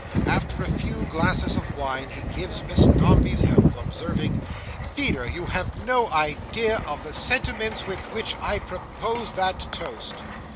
After a few glasses of wine, he gives Miss Dombey's health, observing, "Feeder, you have no idea of the sentiments with which I propose that toast."